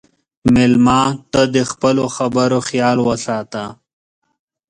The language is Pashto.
مېلمه ته د خپلو خبرو خیال وساته.